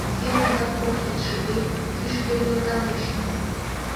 — Кӧ ондак кок кидшыге кӱшкӧ нӧлталеш...